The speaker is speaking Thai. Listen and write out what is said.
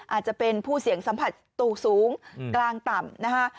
อาจจะเป็นผู้เสี่ยงสัมผัสตู่สูงกลางต่ำนะคะ